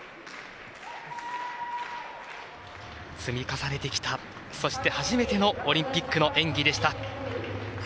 積み重ねてきた、そして初めてのオリンピックの演技でした。